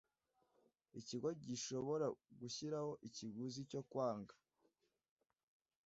Ikigo gishobora gushyiraho ikiguzi cyo kwanga